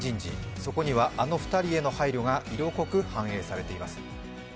そこにはあの２人への配慮が色濃く反映されています。